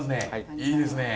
いいですね。